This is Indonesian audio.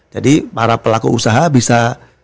jadi para pelaku usaha bisa